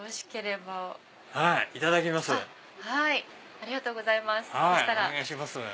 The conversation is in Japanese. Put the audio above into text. ありがとうございます。